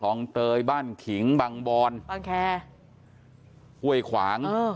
เตยบ้านขิงบางบอนบางแคห้วยขวางเออ